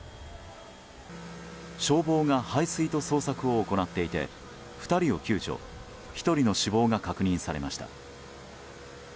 消防が排水と捜索を行っていて２人を救助１人の死亡が確認されました。